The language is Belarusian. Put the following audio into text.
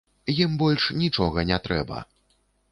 Ім больш нічога не трэба.